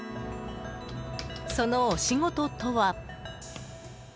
そのお仕事とは。